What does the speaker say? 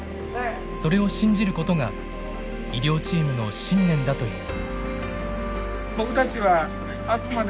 それを信じることが医療チームの信念だという。